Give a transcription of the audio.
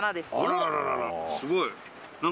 すごい。